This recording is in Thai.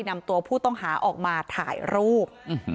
นำตัวผู้ต้องหาออกมาถ่ายรูป